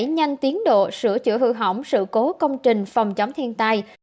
nhanh tiến độ sửa chữa hư hỏng sự cố công trình phòng chống thiên tai